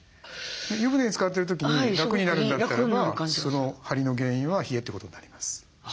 湯船につかってる時に楽になるんだったらばその張りの原因は冷えってことになります。